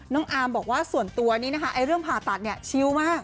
อามบอกว่าส่วนตัวนี้นะคะเรื่องผ่าตัดเนี่ยชิวมาก